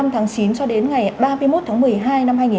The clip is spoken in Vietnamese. một mươi năm tháng chín cho đến ngày ba mươi một tháng một mươi hai